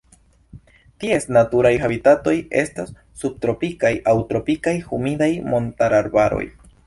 Ties naturaj habitatoj estas subtropikaj aŭ tropikaj humidaj montararbaroj.